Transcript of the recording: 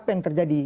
apa yang terjadi